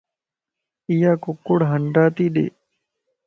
ايا ڪڪڙ ھنڊا تي ڏي